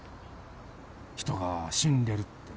人が死んでるってね。